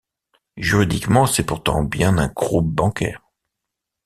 Juridiquement, c'est pourtant bien un groupe bancaire.